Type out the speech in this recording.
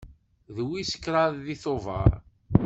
D wis kraḍ deg Tubeṛ.